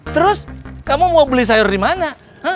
terus kamu mau beli sayur di mana